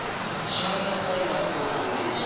市販のタイマーと乾電池。